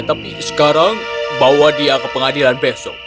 tapi sekarang bawa dia ke pengadilan besok